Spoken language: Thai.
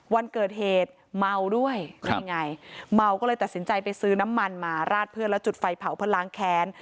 วันเกิดเหตุเมาด้วยนี่ไงเมาก็เลยตัดสินใจไปซื้อน้ำมันมาราดเพื่อนแล้วจุดไฟเผาเพื่อล้างแค้น